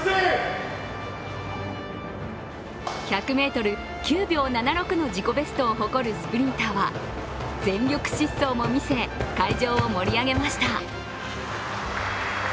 １００ｍ、９秒７６の自己ベストを誇るスプリンターは全力疾走も見せ、会場を盛り上げました。